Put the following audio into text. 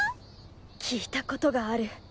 聞いたことがある。